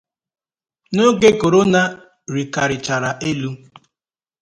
n'oge korona rịkarịchara elu